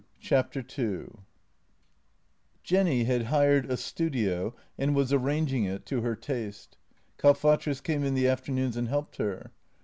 JENNY 127 II J ENNY had hired a studio and was arranging it to her taste. Kalfatrus came in the afternoons and helped her.